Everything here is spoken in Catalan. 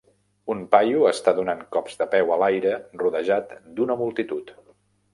Un paio està donant cops de peu a l"aire rodejat d"una multitud.